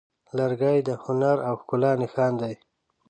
لرګی د هنر او ښکلا نښان دی.